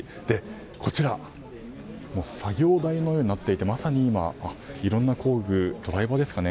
こちらは作業台のようになっていてまさに今、いろんな工具ドライバーですかね。